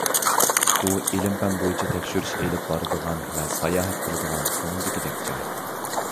ئۇ، ئىلىم-پەن بويىچە تەكشۈرۈش ئېلىپ بارىدىغان ۋە ساياھەت قىلىدىغان كۆڭۈلدىكىدەك جاي.